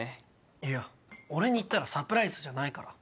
いや俺に言ったらサプライズじゃないから。